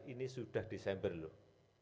ini sudah desember loh